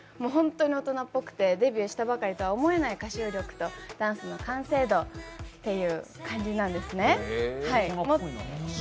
本当に大人っぽくて、デビューしたばかりとは思えない歌唱力とダンスの完成度という感じなんですね。